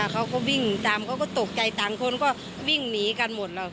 เขาก็วิ่งตามเขาก็ตกใจต่างคนก็วิ่งหนีกันหมดแล้ว